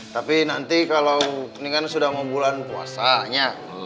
tapi nanti kalau ini kan sudah mau bulan puasanya